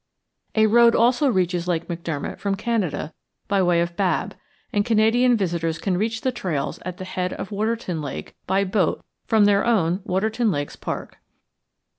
A road also reaches Lake McDermott from Canada by way of Babb, and Canadian visitors can reach the trails at the head of Waterton Lake by boat from their own Waterton Lakes Park.